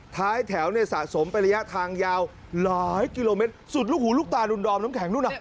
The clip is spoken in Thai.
ท้ายแถวเนี่ยสะสมไประยะทางยาวหลายกิโลเมตรสุดลูกหูลูกตารุนดอมน้ำแข็งนู่นน่ะ